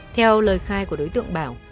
theo lời khai của đối tượng bảo